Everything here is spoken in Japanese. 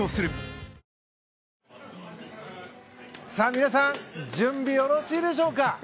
皆さん準備はよろしいでしょうか。